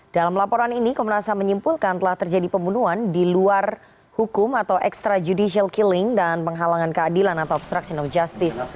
dalam laporan ini komnas ham menyimpulkan telah terjadi pembunuhan di luar hukum atau extrajudicial killing dan penghalangan keadilan atau obstruction of justice